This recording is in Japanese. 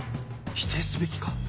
否定すべきか？